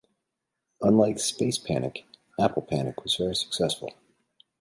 Unlike "Space Panic", "Apple Panic" was very successful.